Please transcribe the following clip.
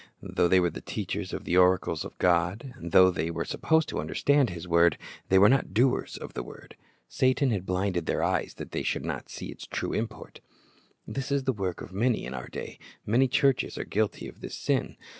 "^ Though they were the teachers of the oracles of God, though they were supposed to understand His word, they were not doers of the word. Satan had blinded their eyes, that they should not see its true import. This is the work of many in our day. Many churches are guilty of this sin.